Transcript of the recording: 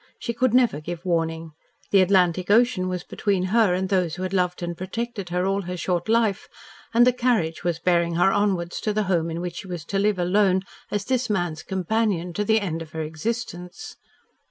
She could never give warning. The Atlantic Ocean was between her and those who had loved and protected her all her short life, and the carriage was bearing her onwards to the home in which she was to live alone as this man's companion to the end of her existence.